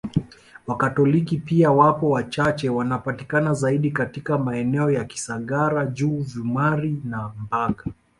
Wakatoliki pia wapo wachache wanapatikana zaidi katika maeneo ya Kisangara juu Vumari na Mbaga